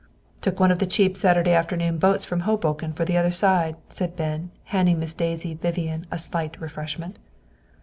"Took one of the cheap Saturday afternoon boats from Hoboken for the other side," said Ben, handing Miss Daisy Vivian a "slight refreshment."